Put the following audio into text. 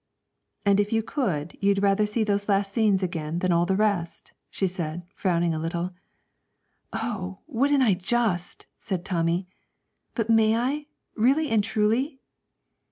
'And if you could, you'd rather see those last scenes again than all the rest?' she said, frowning a little. 'Oh, wouldn't I just!' said Tommy; 'but may I really and truly?'